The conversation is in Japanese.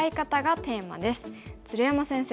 鶴山先生